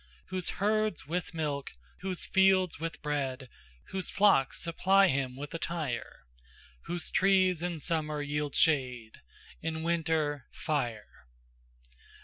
Whose herds with milk, whose fields with bread, Whose flocks supply him with attire; Whose trees in summer yield shade, In winter, fire.